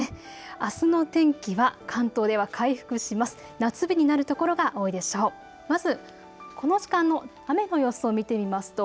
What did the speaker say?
あすの天気は関東では回復します。